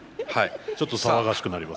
ちょっと騒がしくなります。